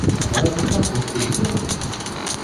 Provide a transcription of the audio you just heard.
Але це так несподівано!